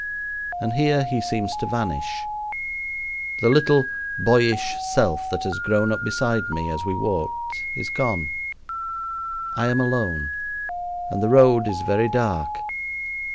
And here he seems to vanish. The little, boyish self that has grown up beside me as we walked is gone. I am alone and the road is very dark.